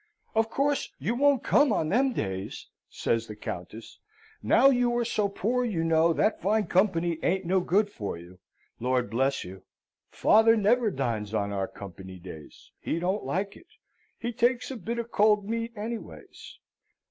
'Of course you won't come on them days?' says the Countess. 'Now you are so poor, you know, that fine company ain't no good for you. Lord bless you! father never dines on our company days! he don't like it; he takes a bit of cold meat anyways.'